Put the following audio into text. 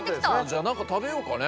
じゃあ何か食べようかね。